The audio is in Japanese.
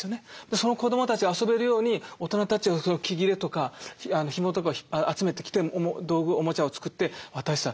その子どもたちが遊べるように大人たちは木切れとかひもとかを集めてきて道具おもちゃを作って渡した。